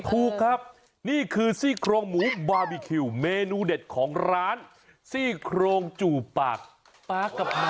ถูกครับนี่คือซี่โครงหมูบาร์บีคิวเมนูเด็ดของร้านซี่โครงจูบปากปลากะเพรา